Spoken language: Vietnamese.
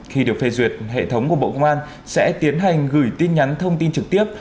khi được phê duyệt hệ thống của bộ công an sẽ tiến hành gửi tin nhắn thông tin trực tiếp